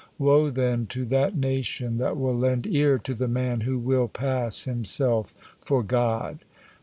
Woe then to that nation that will lend ear to the man who will pass himself for God."